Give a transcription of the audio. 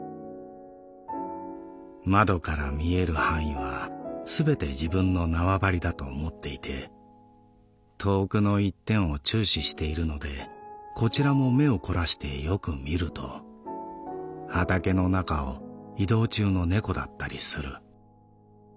「窓から見える範囲はすべて自分の縄張りだと思っていて遠くの一点を注視しているのでこちらも目をこらしてよく見ると畑の中を移動中の猫だったりする。